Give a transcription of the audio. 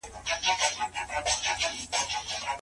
د پیسو ارزښت ساتل سوی و.